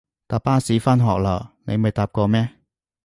搭巴士返學囉，你未搭過咩？